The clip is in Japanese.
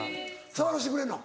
触らしてくれんの？